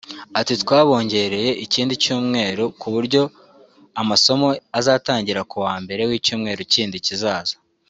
Ati “ twabongereye ikindi cyumweru ku buryo amasomo azatangira ku wa mbere w’icyumweru kindi kizaza